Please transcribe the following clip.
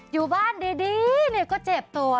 อยู่บ้านดีก็เจ็บตัว